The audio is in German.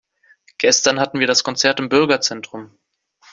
Gestern hatten wir das Konzert im Bürgerzentrum.